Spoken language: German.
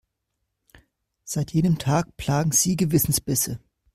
Seit jenem Tag plagen sie Gewissensbisse.